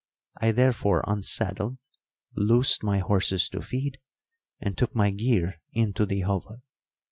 I therefore unsaddled, loosed my horses to feed, and took my gear into the hovel.